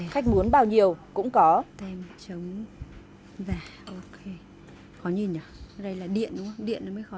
khách muốn bao nhiêu cũng có